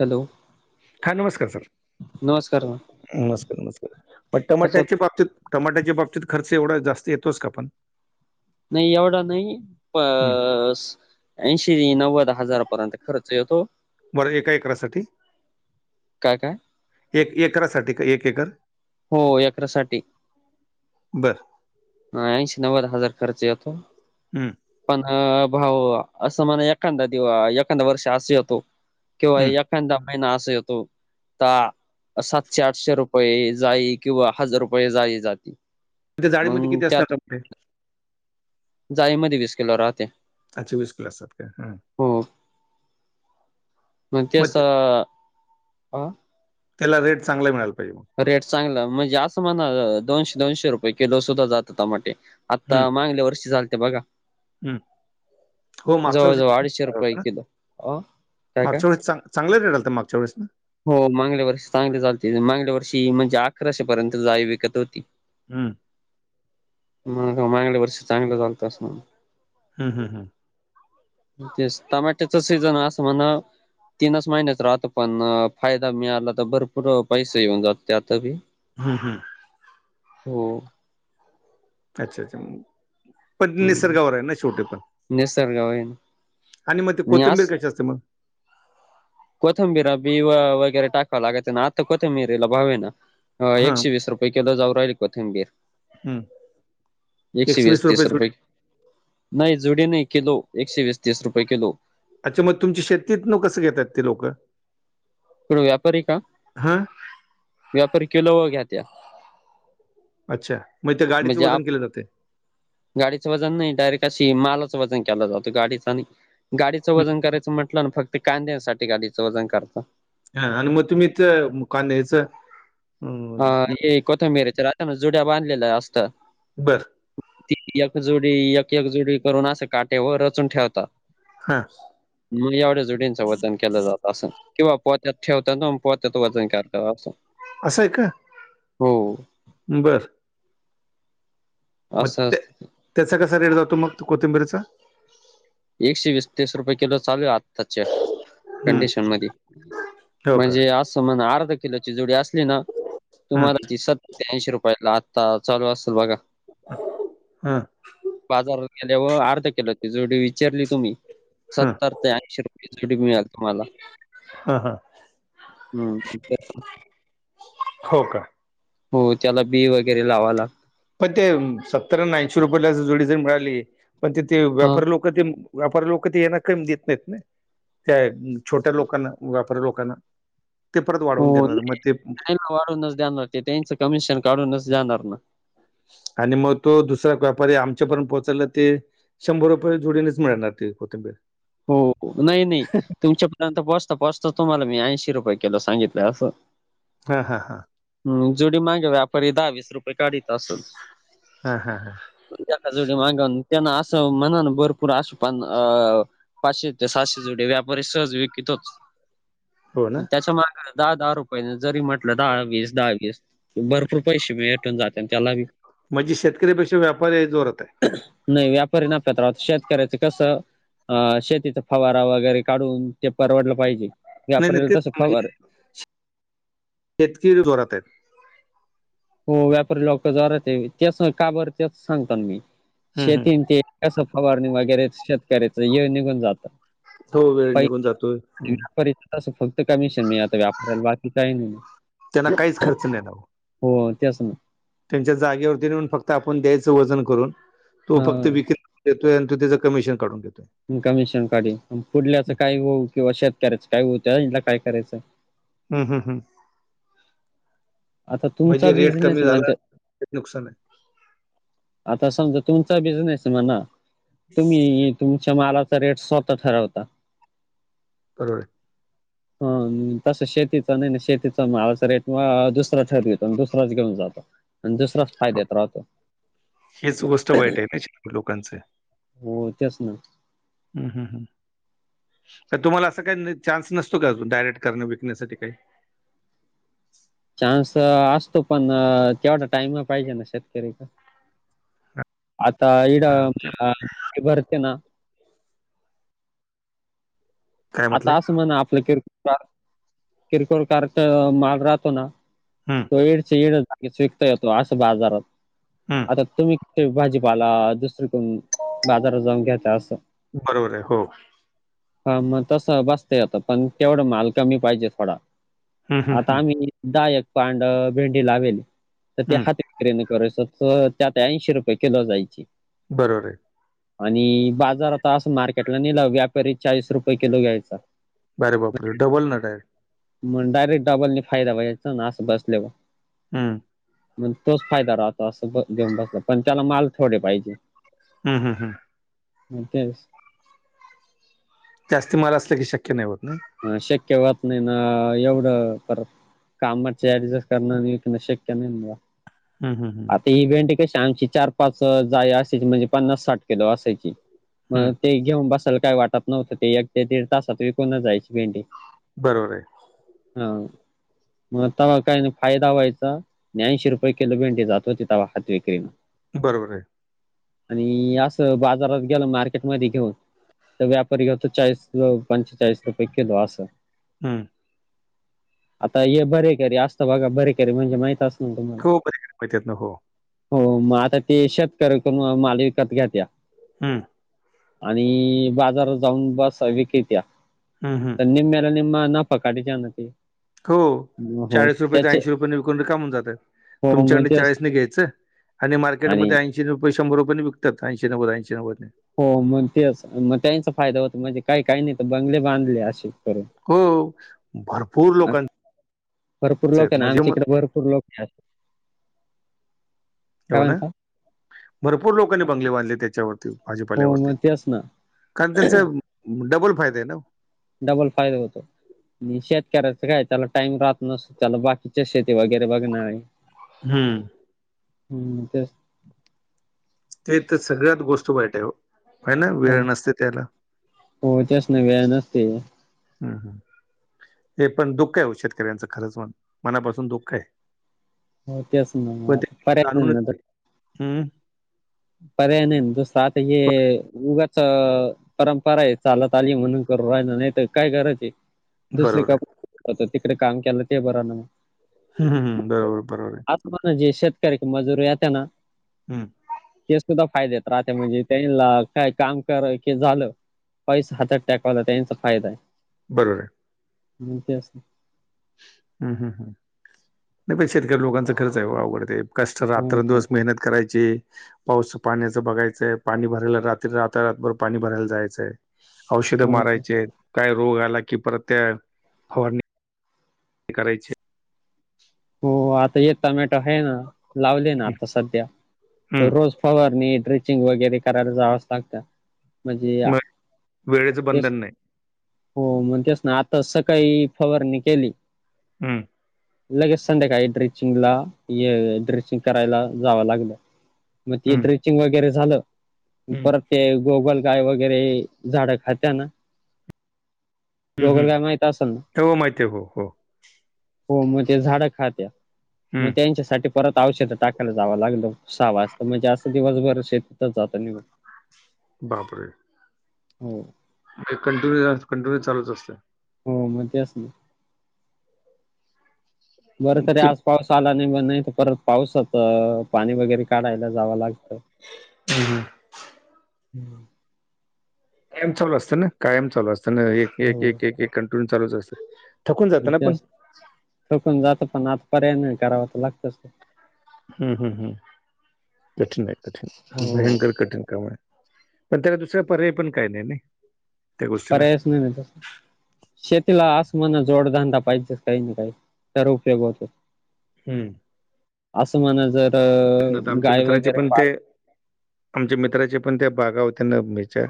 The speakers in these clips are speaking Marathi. हॅलो हा नमस्कार सर! नमस्कार ना नमस्कार नमस्कार! म कशात टमाट्याची बाबतीत टमाट्याच्या बाबतीत खर्च एवढा जास्त येतोच का पण? नाही एवढा नाही हम्म. प- ऐंशी नव्वद हजारपर्यंत खर्च येतो. वर एका एकरासाठी? काय काय? एक एकरासाठी का एक एकर? हो एकरासाठी. बर ह ऐंशी नव्वद हजार खर्च येतो. हम्म. पण भाऊ असं म्हणा एखांदा दिव एखांद वर्ष असे येतो- किंवा हम्म. एखांदा महिना असा येतो का सातशे आठशे रुपये येईल. जाळी किंवा हजार रुपये जाळी जातील. त्या जाळीमध्ये किती असतात टमाटे? जाळी मध्ये वीस किलो राहत्या. अच्छा वीस किलो असतात का हा? मग ते असं, अ- त्याला रेट चांगला मिळायला पाहिजे. रेट चांगला म्हणजे असं म्हणा दोनशे दोनशे रुपये किलो सुद्धा जाता टमाटे. आता माांगल्या वर्षी झालते बघा. हम् हो मागच्या जवळजवळ वर्षी, अडीचशे रुपये किलो. अ काय काय मागच्या वर्षी चांग- चांगले रेट होता मागच्या वळेस. हो मांगल्या वर्षी चांगले मग झालते मांगल्या वर्षी म्हणजे आकराशे पर्यंत जाळी विकत होती. हम्म. मग मांगल्या वर्षी चांगलं झालतं असं म्हण- हम् हम् हम तेच टमाट्याचं सीजन असं म्हणा- तीनच महिन्याच राहत पण फायदा मिळाला तर भरपूर पैसे येऊन जातो त्यात बी. हम् हम् हो. अच्छा अच्छा. पण हम्म निसर्गावर आहे ना शेवटी पण निसर्गावर आहे ना आणि मग ते कोथिंबीर कशी असते मग? कोथंबीरा बी वगैरे टाकावं लागत ना आता कोथंबिरीला भाव आहे ना हां एकशे वीस रुपये. पैकीला जाऊ राहिली कोथिंबीर. हं. एकशे वीस तीस रुपये. नाही जुडी नाही किलो. एकशे वीस तीस रुपये किलो. अच्छा मग तुमची शेतीत नोकसं घेतात ते लोकं. कोण व्यापारी का? हा व्यापारी किलो वर घेत्या. अच्छा, म्हणजे त्या गाडीचे वजन केले जातय? गाडीचं वजन नाही, डायरेक्ट अशी मालचं वजन केला जातो. गाडीचा नाही. गाडीचं हं, वजन करायचं म्हटलं ना फक्त कांद्यासाठी गाडीचं वजन करता. हा आणि मग तुम्ही ते कांद्याच- हा हे कोथंबिरच्या राहत ना, जुड्या बांधलेल्या असतात. बरं. ती एकजोडी एक एकजोडी करून असं काटे वर रचून ठेवतात. हा मग एवढ्या जुडींचं वजन केलं जात असं. किंवा पोत्यात ठेवतात आन् पोत्याच वजन करतात असं. अस आहे का? हो बरं. मग असं त्या असतं त्याचा कसा रेट जातो मग कोथिंबीरीचा? एकशे वीस, तीस, रुपये किलो चालूय आत्ताच्या हं, कंडिशन मध्ये हो का म्हणजे असं म्हणा अर्धा किलोची जुडी असली ना! हं, तुम्हाला ती सत्याअंशी रुपयाला आत्ता चालू असल बघा. हं! बाजारात गेल्याव अर्धा किलो ची जुडी विचारली तुम्ही? हं, सत्तर ते ऐंशी रुपये जुडी मिळल तुम्हाला. हा हा! हू तेच ना! हो का! हो त्याला बी वगैरे लावा ला पण ते सत्तर न ऐंशी रुपयेला जुडी जर मिळाली पण ते ते हा व्यापारी लोक ते व्यापारी लोक ते ना कमी देत नाहीत ना! त्या छोट्या लोकांना व्यापारी लोकांना ते परत हो वाढवून नाही, देणार म ते! नाही वाढूनच देणार ते त्यांच कमिशन काढूनच देणार ना! आणि म तो दुसरा व्यापारी आमच्यापर्यंत पोहोचायला ते शंभर रुपये जुडीनेच मिळणार ते कोंथीबीर. हो हो, नाही नाही! तुमच्यापर्यंत पोचता पोचता तुम्हाला मी ऐंशी रुपये कीलो, सांगितलं असं. हा हा हा! मं जुडी मांगे व्यापारी दहा, वीस, रुपये काढीत असल. हा हा हा! त्या एका जुडी मागून त्यांना असं मनान भरपूर आसूंपन अ! पाचशे ते साहाशे जुड्या व्यापारी सहज विकतोचं हो ना मं त्याच्या मा! दहा दहा, रुपयेने जरी म्हटलं, दहा वीस, दहा वीस. भरपूर पैसे भेटून जातान त्यालाबी. म्हणजे शेतकरीपेक्षा व्यापारी जोरात आहे. नाही व्यापारी नफ्यात राहतो शेतकऱ्याच कसं. अ शेतीचा फवारा वगैरे काढून, ते परवडलं पाहिजे. नाही नाही व्यापाऱ्याला ते कसं फवार [unintelligible] शेतकरी जोरात आहेत. हो व्यापारी लोकं जोरात हे तेचं ना का बरं त्याच सांगताल मी हम्म, हम्म. शेती अंन ते! कसं फवारणी वगैरे शेतकऱ्याच ऐळ निघून जातं. हो वेळ निघून जातोय हम्म. [unintelligible] तस फक्त कमिशन मिळत व्यापरायला बाकी काही त्यांना नाही. [inaudible] हो हो तेचं ना! त्यांच्या जागेवरती नेऊन फक्त आपण द्यायचं वजन करून तो फक्त हा विकत. देतोय आणि तो त्याचं कमिशन काढून घेतोय. कमिशन काढीन न पुढल्याचं काय होवो, किंवा शेतकऱ्याच काय होवो, तेवा यानला काय करायचं. हू हू आता तुमचा म्हणजे रेट कमी बिझनेस झाला. म्हणते त्यात नुकसान आहे. आता समजा तुमचा बिझनेस हे म्हणा तुम्ही तुमच्या मालाचा रेट स्वतः ठरवता. [inaudible] हा तस शेतीचा नाही ना, शेतीचा मालाचा रेट म दुसरा ठरवितो, आणि दुसराच घेऊन जातो. आण दुसराच हो, फायद्यात राहतो. हेच गोष्ट वाईट आहे ना शेतकरी लोकांचं हो तेच ना. हम्म, हम्म, हम्म. तुम्हाला असा काही चान्स नसतो का? डायरेक्ट करण विकण्यासाठी काही? चान्स असतो पण तेवढा टाइम पाहिजे ना शेतकरीकड. आता हा, ते [unintelligible] भरते ना काय आता म्हटलंय असं म्हणा आपलं किरकोळ किरकोळ कार्ट माल राहतो ना हम्म, तो ईडच ईड विकता येतो असं बाजारात, हम्म, आता तुम्ही तेच भाजीपाला दुसरी कोण बाजारात जाऊन घेता असं बरोबर आहे, हो. हा मग तस बसता येतं, पण तेवढा माल कमी पाहिजे थोडा. हम्म, हम्म, आता हम्म, आम्ही दायक पांड भेंडी लावेली, तर त्या हम्म, हाती [unintelligible] त्यात ऐंशी रुपये किलो जाईल ती. बरोबर आहे. आणि बाजार आता असं मार्केटला नेला, व्यापारी चाळीस रुपये किलो घ्यायचा. अरे बापरे, डबल ना डायरेक्ट मग डायरेट डबल नी फायदा बघायचा ना अस बसलेला. हम्म. मग तोच फायदा राहतो असं घेऊन बसला, पण त्याला माल थोडे पाहिजे. हा हा हं. मग काय? जास्त मला असलं की, शक्य नाही होत ना? हा शक्य व्होत नाही ना, एवढं परत कामाचे ऍडजस्ट करण शक्य नाही मला. हम्म, हम्म हम्म. आता इव्हेंट कशी आमची चार, पाच जाय असायची म्हणजे पन्नास, साठ किलो असायची. मग हम्म, ते घेऊन बसायला काय वाटत नव्हतं. ते एक ते दीड तासात विकून जायची भेंडी. बरोबरे. हा मग तवा काय नाही फायदा व्हायचा. ऐंशी रुपये किलो भेंडी जात होती तवा हात विक्रीने. बरोबरे. आणि असं बाजारात गेलं मार्केटमध्ये घेऊन तर व्यापारी घ्यायचं चाळीस किंवा पंचेचाळीस रुपये किलो असं. हम्म. आता हे बरे करी असतं, बघा बरे करी म्हणजे माहित अस हो [inaudible] माहितेत ना हो. हो मग आता ते शेतकऱ्याच माल विकत घेत्या हम्म. आणि बाजारात जाऊन बस विकत्या. हम्म, हां. निम्म्याला निम्मा नफा काढीत्या न ते. हो हो चाळीस रुपयाच त्याचे ऐंशी रुपये न विकुन रिकाम होऊन जाताय. हो मग तुमच्याकडन तेच चाळीसने घ्यायचं आणि आणि मार्केटमध्ये ऐंशी रुपय, शंभर रुपये न विकतात. ऐंशी, नव्वद, ऐंशी नव्वद नी. हो मग तेच मग त्याचा फायदा होत म्हणजे काही काही नाही तर बंगले बांधले असे करून. हो भर भरपूर लोक आहे ना म्हणजे आमच्या मग इकडे भरपूर लोक [unintelligible] ना भरपूर लोकांनी बंगले बांधले त्याच्यावरती [inaudible] हो भाजीपाल्यावरती मग तेच ना कारण त्यांचं डबल फायदे आहे ना डबल फायदा होतो. आणि शेतकऱ्याच काय त्याला टाइम राहत नसत, त्याला बाकीच्या शेती वगैरे बघण. हम्म. हम्म ते ते तर सगळ्यात गोष्ट वाईट आहे ओ हे ना हो वेळ नसते त्याला. हो त्यास नी वेळ नसते. हम् हम्. हे पण दुःख आहे शेतकऱ्यांचं खरंच मनापासून दुःख आहे. हो तेच ना आता पर्याय नाही आता. हम्. पर्याय नाही दुसरं आता हे उगाच परंपरा आहे चालत आली म्हणून करू राहिला, नाही तर काय गरज आहे. ब- दुसरी बरोबर का आहे तिकडे काम केलं ते बरं ना मग. हम्मम बरोबर बरोबर आहे. [unintelligible] जे शेतकरी क मजूर येत ना हम्म. ते सुद्धा फायदे येत राहते म्हणजे त्यांना काय काम करा की झालं पैसा हातात टेकावाला त्यांचा फायदा आहे. बरोबर आहे. हम त्यासनी हम्म हम् हम नाही म्हणजे शेतकरी लोकांचा खर्च आहे ओ आवघडते कष्ट हो रात्र न ते दिवस मेहनत करायची पाऊसा पाण्याचं बघायचंय पाणी भरायला रात्री रात्र रातभर पाणी भरायला जायचंय औषध हो ते मारायचे आहेत, काय रोग आला की परत त्या फवारनी करायची हो आता एक टोमॅटो आहे ना लावले ना आता सध्या हम्म रोज फवारणी ड्रेचिंग वगैरे करायला जावंच लागतं. म्हणजे मग वेळेचं तेच बंधन नाही हो म्हण तेच ना आता सकाळी फवारणी केली हम्म. लगेच संध्याकाळी ड्रेचिंगला ये ड्रेचिंग करायला जावं लागलं. मग ते हम्म ड्रेचिंग वगैरे झालं हम्म परत ते गोगल गाय वगैरे झाडं खात्या ना हम्म गोगल हम्म गाय माहित असेल ना? हो माहिती आहे हो हो हो मग ते झाडं खात्यात मग हम्म त्यांच्यासाठी परत औषध टाकायला जावं लागलं, सहा वाजता म्हणजे असं दिवसभर शेतच जातं निघून बापरे. हो. कंटिन्यू हे अस कंटिन्यू चालूच असतंय. हो मग ते असल बरं तरी ते आज पाऊस आला नाही ब नाही तर परत पाऊसात पाणी वगैरे काढायला जावं लागतं. हम्म. कायम चालू असतं ना, कायम चालू असतं ना, एक एक हो एक एक एक कंटिन्यू चालूच असतं. थकून जातं ना पण हो पण जात पण, आता पर्याय नाही करावं तर लागतच. हम्म हम्म हम्म. कठीण आहे कठीण, हो भयंकर कठीण काम आहे. पण त्याला दुसरा पर्याय पण काही नाही, नाही? त्या गोष्टीला पर्यायच नाही ना तसं. शेतीला आस म्हणा जोडधंदा पाहिजे काही ना काही, तर उपयोग होतो. हम्म. असं म्हणा जर त्यातनं आता आमच्या गाय मित्राचे वगैरे पण पाळ ते आमच्या मित्राच्या पण त्या बागा होत्या ना, हेच्या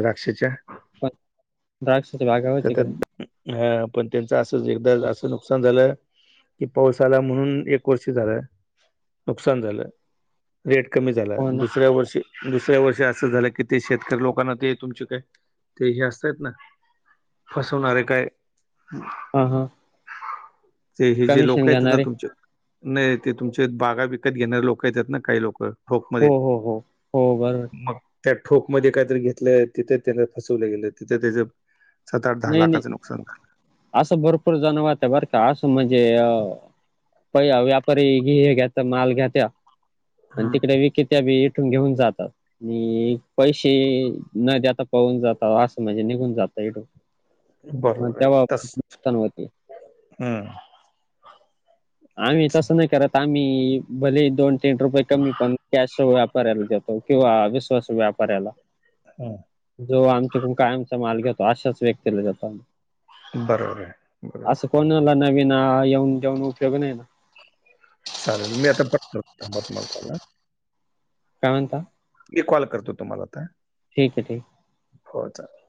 द्राक्षाच्या पण द्राक्षाच्या बागा, होत्या का नाही? हा पण त्यांचं असंच एकदा असं नुकसान झालं कि पाऊस आला म्हणून एक वर्ष झालं, नुकसान झालं. रेट कमी झाला. हो ना दुसऱ्या वर्षी दुसऱ्या वर्षी असं झालं की, ते शेतकरी लोकांना ते तुमचे काय ते हे असत्यात ना फसवणारे काय हां हां. ते हे जे लोकं येतात ना घेणारे तुमचे, नाही ते तुमचे बागा विकत घेणारे लोकं येत्यात ना काही लोकं ठोक मध्ये, हो हो हो हो बरोबर मगं? त्या ठोकमध्ये काहीतरी घेतलं, तिथं त्यांना फसवलं गेलं. तिथं त्याचं सात, आठ, दहा नाही नाही लाखाचं नुकसान झालं. असं भरपूर जण होता बरं का? असं म्हणजे अ पया व्यापारी घ्ये घेता माल घेत्या, आण झालं तिकडे विकेत त्या बी येथून घेऊन जातात. आणि पैसे न देता पळून जात़ात, असं म्हणजे निघून जातात. एडो बरोबराय तसंच. नुकसान होते हम्म. आम्ही तसं नाही करतं. आम्ही भलेही दोन, तीन रुपये कमी पण कॅश वाप पऱ्याला देतात किंवा विश्वासू व्यापाऱ्याला. हा. जो आमच्या कडून कायमचा माल घेतो, अशाच व्यक्तीला देतो. बरोबर आहे. बरोबर. असं कोणाला नवीन आ येऊन, देवून उपयोग नाही ना. चालेल, मी आता परत करतो. थांबा तुम्हाला कॉल अ काय म्हणता? मी कॉल करतो तुम्हाला आता. ठिक आहे, ठीक आहे. हो चालेल.